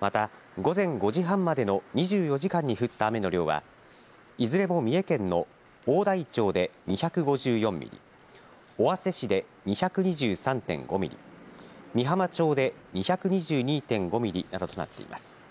また午前５時半までの２４時間に降った雨の量は、いずれも三重県の大台町で２５４ミリ、尾鷲市で２２３．５ミリ、御浜町で２２２．５ミリなどとなっています。